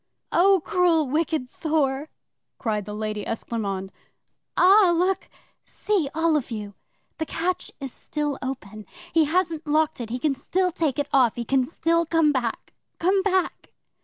'"Oh, cruel, wicked Thor!" cried the Lady Esclairmonde. "Ah, look see, all of you! The catch is still open! He hasn't locked it. He can still take it off. He can still come back. Come back!"